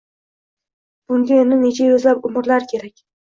Bunga yana necha yuzlab umrlar kerak. Y